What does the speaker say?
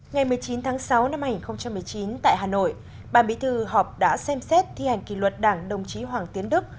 ngày một mươi chín tháng sáu năm hai nghìn một mươi chín tại hà nội bà bí thư họp đã xem xét thi hành kỷ luật đảng đồng chí hoàng tiến đức